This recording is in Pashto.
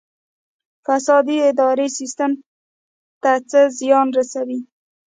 فساد اداري سیستم ته څه زیان رسوي؟